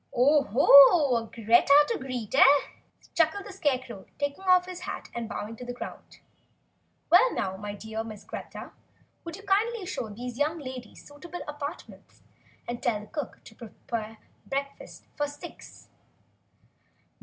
"Oho a Greta to greet, eh?" chuckled the Scarecrow, taking off his hat and bowing to the ground. "Well, now, my dear Miss Greta, will you kindly show these young ladies to suitable apartments, and tell the cook to prepare breakfast for six."